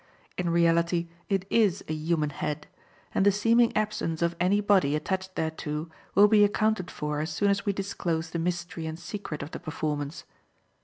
In reality it is a human head, and the seeming absence of any body attached thereto will be accounted for as soon as we disclose the mystery and secret of the performance.